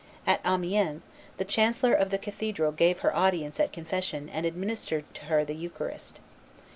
At Amiens, the chancellor of the cathedral gave her audience at confession and administered to her the eucharist.